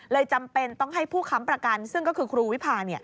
จำเป็นต้องให้ผู้ค้ำประกันซึ่งก็คือครูวิพา